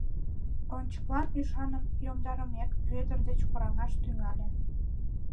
Ончыклыклан ӱшаным йомдарымек, Вӧдыр деч кораҥаш тӱҥале.